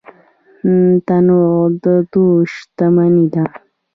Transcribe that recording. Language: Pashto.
تنوع د دوی شتمني ده.